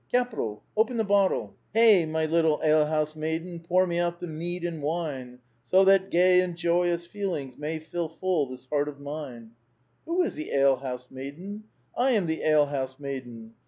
Capital! open the bottle. Hey I my little ale house maiden, Pour me out the mead and wine 1 So that gay and joyous feelings May fill full this heart of mine. "Who is the 'ale house maiden'? I am the 'ale house maiden.'